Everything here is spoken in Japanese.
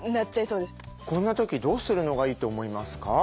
こんな時どうするのがいいと思いますか？